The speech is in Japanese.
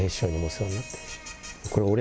これ俺。